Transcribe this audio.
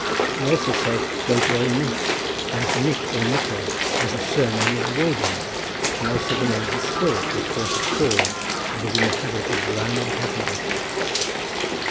We also say: Go to old Nick! and Nick or Nikkur was a surname of Woden, and also the name of a spirit which haunted fords and was in the habit of drowning passengers.